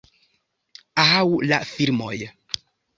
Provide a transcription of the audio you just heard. Aŭ la filmoj.